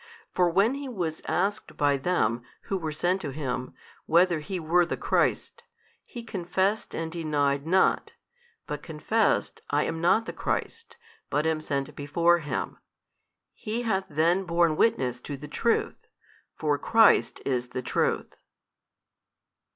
For when he was asked by them who were sent to him, whether he were the Christ, he confessed and denied not, but confessed I am not the Christ, but am sent before Him. He hath then borne witness to the Truth, for Christ is the Truth.